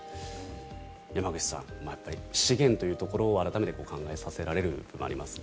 山口さん、資源というところを改めて考えさせられますね。